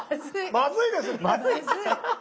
まずいですよね。